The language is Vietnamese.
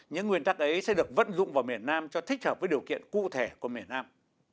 những nguyên tắc ấy sẽ được vận dụng vào miền nam cho thích hợp với điều kiện cụ thể của miền nam